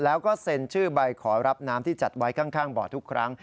แล้วก็เซ็นชื่อใบขอรับน้ำที่จัดไว้ข้างบ่อทุกครั้ง